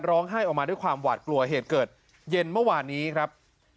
ร้องไห้ออกมาด้วยความหวาดกลัวเหตุเกิดเย็นเมื่อวานนี้ครับ